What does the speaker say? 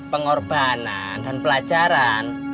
pengorbanan dan pelajaran